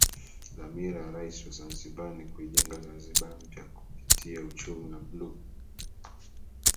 Dhamira ya Rais wa Zanzibar ni kuijenga Zanzibar mpya kipitia uchumi wa bluu